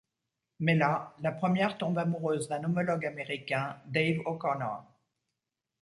Mais là, la première tombe amoureuse d'un homologue américain, Dave O'Connor.